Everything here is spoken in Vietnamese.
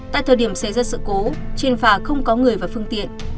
tại thời điểm xảy ra sự cố trên phà không có người và phương tiện